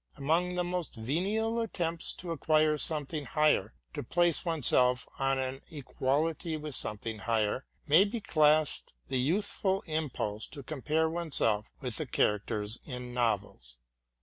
Among the most venial attempts to acquire something higher, to place one's self on an equality with something higher, may be classed the youthful impulse to compare one's self with the characters in novels.